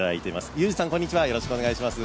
ユージさん、こんにちは、よろしくお願いします。